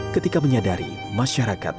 ketika menyadari masyarakat